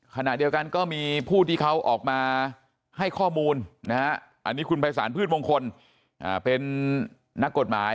ขณะเดียวกันก็มีผู้ที่เขาออกมาให้ข้อมูลนะฮะอันนี้คุณภัยศาลพืชมงคลเป็นนักกฎหมาย